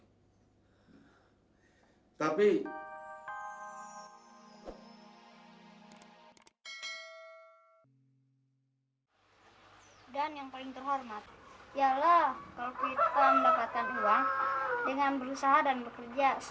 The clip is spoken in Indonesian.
dan yang paling terhormat